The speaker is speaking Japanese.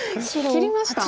切りました。